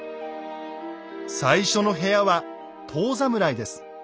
最初の部屋は「遠侍」です。